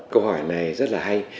câu hỏi này rất là hay